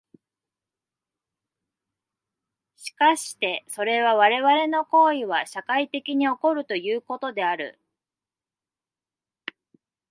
しかしてそれは我々の行為は社会的に起こるということである。